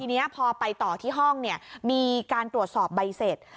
ทีนี้พอไปต่อที่ห้องมีการตรวจสอบใบเสร็จ